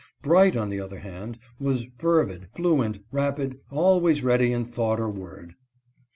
Bright, on the other hand, was fervid, fluent, rapid ; always ready in thought or word.